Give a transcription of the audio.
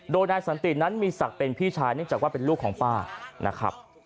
โดยนายสันตินั้นมีศักดิ์เป็นพี่ชายเนื่องจากว่าเป็นลูกของป้านะครับ